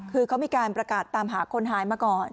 คือเขามีการประกาศตามหาคนหายมาก่อน